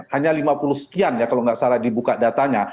hanya lima puluh sekian ya kalau nggak salah dibuka datanya